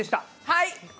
はい！